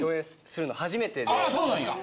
そうなんや。